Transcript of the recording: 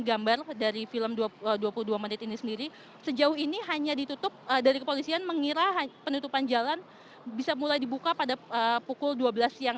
gambar dari film dua puluh dua menit ini sendiri sejauh ini hanya ditutup dari kepolisian mengira penutupan jalan bisa mulai dibuka pada pukul dua belas siang